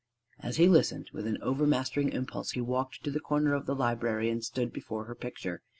As he listened, with an overmastering impulse he walked to the corner of the library and stood before her picture.